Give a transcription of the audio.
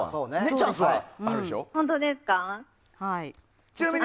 チャンスはあるでしょ。